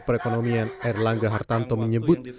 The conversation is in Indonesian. perekonomian erlangga hartanto menyebut